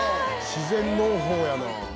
自然農法やな。